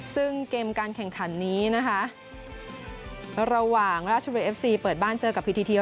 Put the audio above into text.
ซึ่งเกมการแข่งขันนี้นะคะระหว่างราชบุรีเอฟซีเปิดบ้านเจอกับพีทีเทีย